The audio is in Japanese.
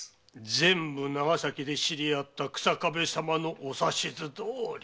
全部長崎で知り合った日下部様のお指図どおり。